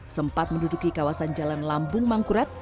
sempat menduduki kawasan jalan lambung mangkurat